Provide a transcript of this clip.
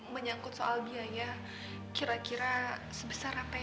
menyangkut soal biaya kira kira sebesar apa ya